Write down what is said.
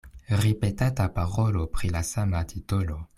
Ripetata parolo pri la sama titolo.